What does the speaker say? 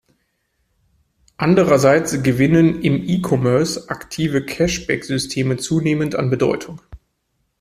Andererseits gewinnen im E-Commerce aktive Cashback-Systeme zunehmend an Bedeutung.